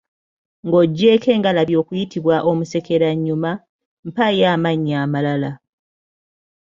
Ng'oggyeeko engalabi okuyitibwa omusekerannyuma, mpaayo amannya amalala?